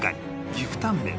岐阜タンメン